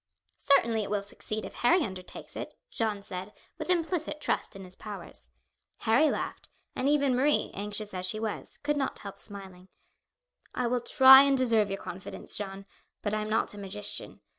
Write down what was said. "Certainly it will succeed if Harry undertakes it," Jeanne said, with implicit trust in his powers. Harry laughed, and even Marie, anxious as she was, could not help smiling. "I will try and deserve your confidence, Jeanne; but I am not a magician.